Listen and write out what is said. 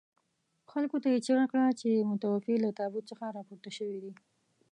خلکو ته یې چيغه کړه چې متوفي له تابوت څخه راپورته شوي دي.